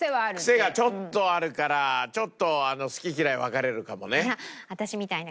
クセがちょっとあるからちょっと好き嫌い分かれるかもね。